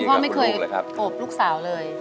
พ่อไม่เคยโอบลูกสาวเลย